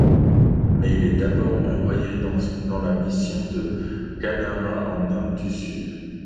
Mais il est d’abord envoyé dans la mission de Kannara en Inde du Sud.